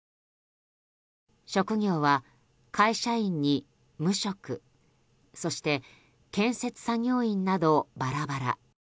職業は、会社員に無職そして建設作業員などバラバラ。